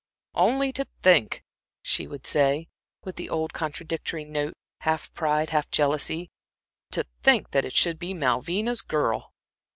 "Only to think," she would say, with the old contradictory note, half pride, half jealousy "to think that it should be Malvina's girl!"